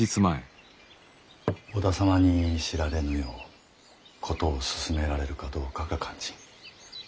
織田様に知られぬよう事を進められるかどうかが肝心。